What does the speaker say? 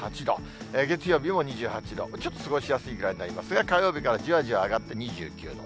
月曜日も２８度、ちょっと過ごしやすいぐらいになりますが、火曜日からじわじわ上がって２９度。